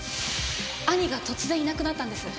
兄が突然いなくなったんです。